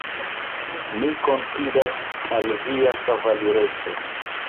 Mi konfidas al via kavalireco.